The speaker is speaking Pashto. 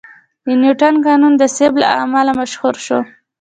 د نیوتن قانون د سیب له امله مشهور شو.